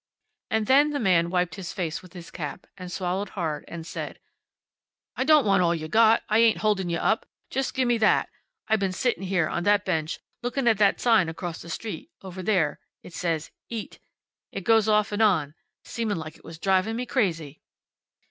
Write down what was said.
And then the man wiped his face with his cap, and swallowed hard, and said, "I don't want all you got. I ain't holdin' you up. Just gimme that. I been sittin' here, on that bench, lookin' at that sign across the street. Over there. It says, `EAT.' It goes off an' on. Seemed like it was drivin' me crazy."